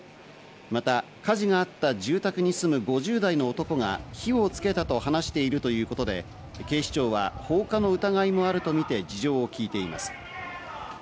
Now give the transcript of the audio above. また火事があった住宅に住む５０代の男が火をつけたと話しているということで警視庁は放火の疑いもあるとみて、事情を聞いています。